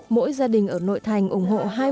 mỗi gia đình ở nội thành ủng hộ